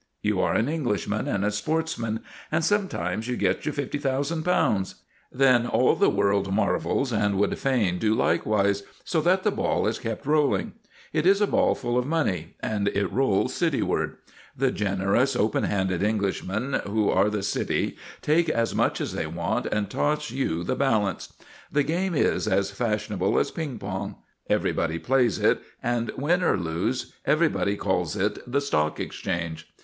You are an Englishman and a sportsman, and sometimes you get your £50,000. Then all the world marvels and would fain do likewise, so that the ball is kept rolling. It is a ball full of money, and it rolls cityward. The generous, open handed Englishmen who are the City take as much as they want and toss you the balance. The game is as fashionable as ping pong: everybody plays it, and, win or lose, everybody calls it the Stock Exchange.